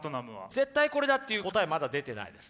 絶対これだっていう答えまだ出てないです。